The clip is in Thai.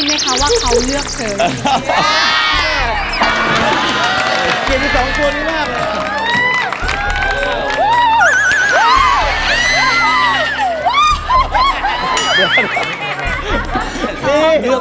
พี่ค่ะว่าคอเนี๊ยบ